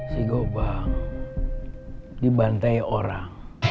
si gobang dibantai orang